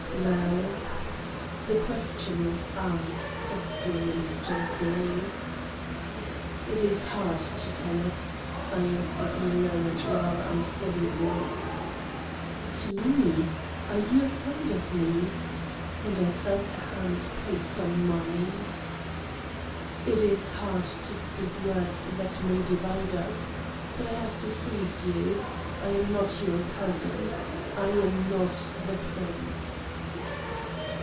"Well?" The question was asked softly and gently. "It is hard to tell it," I answered in a low and rather unsteady voice. "To me? Are you afraid of me?" and I felt a hand placed on mine. "It is hard to speak words that may divide us but I have deceived you. I am not your cousin. I am not the Prince."